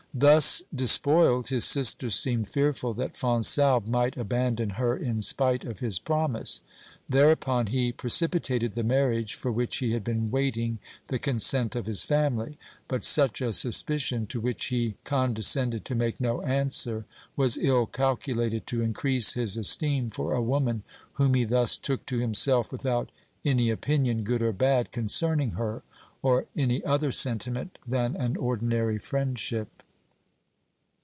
Thus despoiled, his sister seemed fearful that Fonsalbe might abandon her in spite of his promise. Thereupon he precijHtated the marriage for which he had been waiting the consent of his family ; but such a suspicion, to which he condescended to make no answer, was ill calculated to increase his esteem for a woman, whom he thus took to 372 OBERMANN himself without any opinion good or bad concerning her, or any other sentiment than an ordinary friendship.